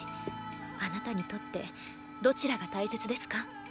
あなたにとってどちらが大切ですか？